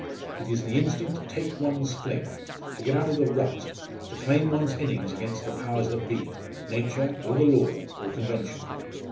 It is the instinct to take one's fling, to get out of the rut, to claim one's innings against the powers that be Nature, or the law, or convention."